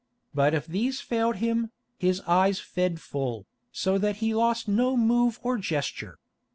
But if these failed him, his eyes fed full, so that he lost no move or gesture.